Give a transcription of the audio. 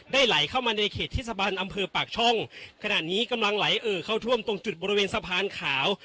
ไหลเข้ามาในเขตเทศบาลอำเภอปากช่องขณะนี้กำลังไหลเอ่อเข้าท่วมตรงจุดบริเวณสะพานขาว